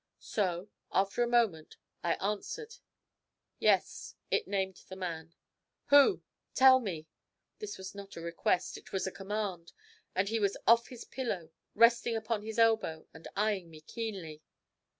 So, after a moment, I answered: 'Yes. It named the man.' 'Who? tell me!' This was not a request, it was a command; and he was off his pillow, resting upon his elbow, and eyeing me keenly.